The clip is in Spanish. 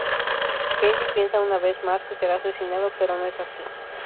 Kenji piensa una vez más que será asesinado pero no es así.